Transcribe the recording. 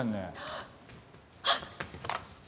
あっ！